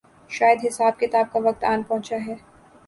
شاید حساب کتاب کا وقت آن پہنچا ہے۔